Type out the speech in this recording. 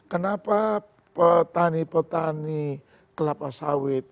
kenapa petani petani kelapa sawit